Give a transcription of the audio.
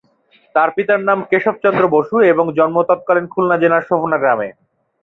তার পিতার নাম কেশবচন্দ্র বসু এবং জন্ম তৎকালীন খুলনা জেলার শোভনা গ্রামে।